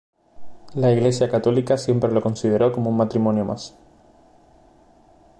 La Iglesia católica siempre lo consideró como un matrimonio más.